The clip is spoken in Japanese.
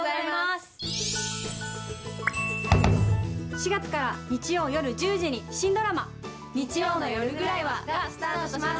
４月から日曜夜１０時に新ドラマ「日曜の夜ぐらいは」がスタートします。